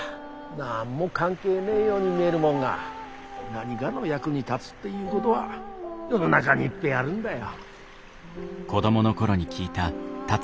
何も関係ねえように見えるもんが何がの役に立つっていうごどは世の中にいっぺえあるんだよ。